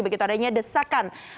begitu adanya desakan